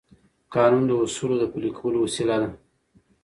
قانون د اصولو د پلي کولو وسیله ده.